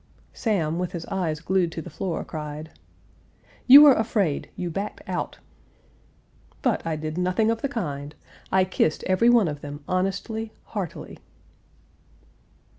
Sam, with his eyes glued to the floor, cried: "You were afraid you backed out." "But I did nothing of the kind. I kissed every one of them honestly, heartily."